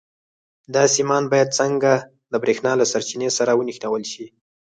دا سیمان باید څنګه د برېښنا له سرچینې سره ونښلول شي؟